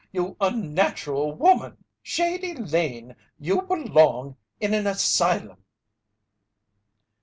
You unnatural woman! 'Shady' Lane you belong in an asylum!"